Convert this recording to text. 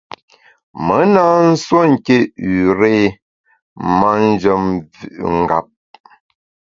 Me na nsuo nké üré manjem mvü’ ngap.